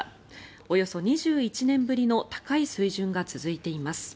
およそ２１年ぶりの高い水準が続いています。